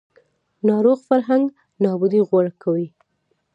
ناروغ فرهنګ نابودي غوره کوي